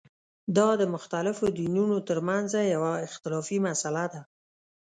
دا د مختلفو دینونو ترمنځه یوه اختلافي مسله ده.